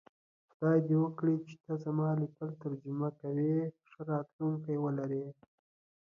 خدای دی وکړی چی ته زما لیکل ترجمه کوی ښه راتلونکی ولری